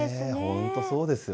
本当そうですよね。